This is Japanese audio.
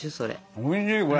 おいしいこれ！